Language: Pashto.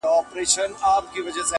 ته به پر ګرځې د وطن هره کوڅه به ستاوي-